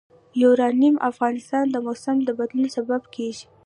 یورانیم د افغانستان د موسم د بدلون سبب کېږي.